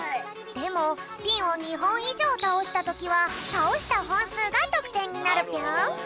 でもピンを２ほんいじょうたおしたときはたおしたほんすうがとくてんになるぴょん。